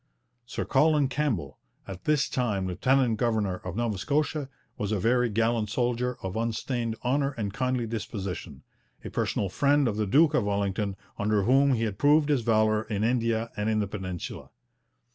Sir Colin Campbell, at this time lieutenant governor of Nova Scotia, was a very gallant soldier of unstained honour and kindly disposition, a personal friend of the Duke of Wellington, under whom he had proved his valour in India and in the Peninsula.